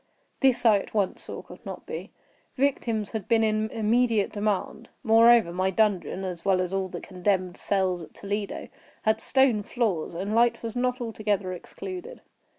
This I at once saw could not be. Victims had been in immediate demand. Moreover, my dungeon, as well as all the condemned cells at Toledo, had stone floors, and light was not altogether excluded.